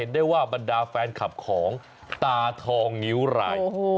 ได้ว่าบรรดาแฟนคลับของตาทองงิ้วราย